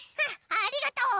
ありがとう。